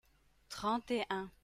trente et un.